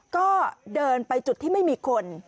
ก็เดินไปจุดที่ไม่มีคน